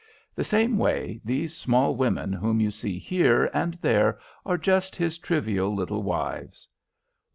The same way, these small women whom you see here and there are just his trivial little wives."